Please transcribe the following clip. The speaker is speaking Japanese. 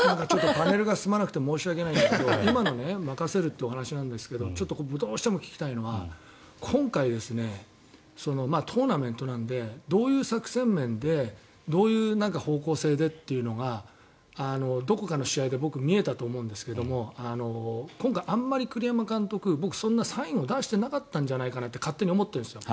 パネルが進まなくて申し訳ないんだけど今の任せるという話だけどちょっとどうしても聞きたいのは今回、トーナメントなんでどういう作戦面でどういう方向性でっていうのがどこかの試合で僕見えたと思うんですけど今回、あまり栗山監督僕、そんなにサインを出してなかったんじゃないかなと勝手に思ってるんですよ。